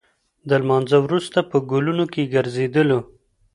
د لمانځه وروسته په ګلونو کې ګرځېدلو.